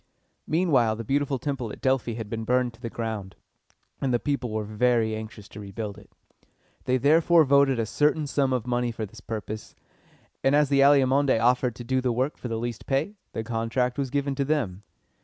Meanwhile the beautiful temple at Delphi had been burned to the ground, and the people were very anxious to rebuild it. They therefore voted a certain sum of money for this purpose; and, as the Alcmæonidæ offered to do the work for the least pay, the contract was given to them.